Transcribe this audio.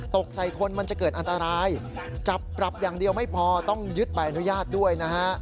ตกใส่คนมันจะเกิดอันตรายจับปรับอย่างเดียวไม่พอต้องยึดใบอนุญาตด้วยนะฮะ